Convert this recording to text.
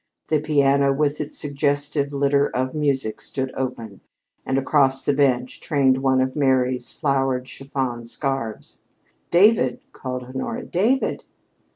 The piano, with its suggestive litter of music, stood open, and across the bench trailed one of Mary's flowered chiffon scarfs. "David!" called Honora. "David!"